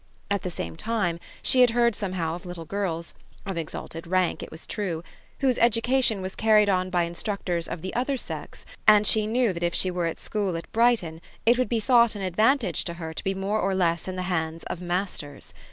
At the same time she had heard somehow of little girls of exalted rank, it was true whose education was carried on by instructors of the other sex, and she knew that if she were at school at Brighton it would be thought an advantage to her to be more or less in the hands of masters.